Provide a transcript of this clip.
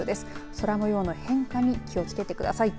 空模様の変化に気をつけてください。